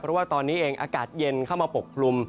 เพราะว่าตอนนี้เองอากาศเย็นเข้ามาปกคลุม